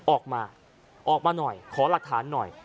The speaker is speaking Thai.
ออกมาออกมาหน่อยขอหลักฐานหน่อย